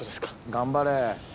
頑張れ。